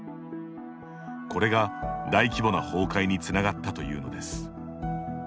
これが大規模な崩壊につながったというのです。